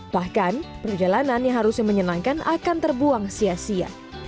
bahkan perjalanan yang harusnya menyenangkan akan terbuang sia sia